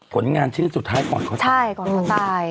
ผลงานที่สุดท้ายกล่อนเขาตาย